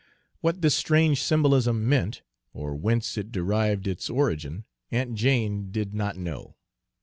What this strange symbolism meant, or whence it derived its origin, Aunt Jane did not know.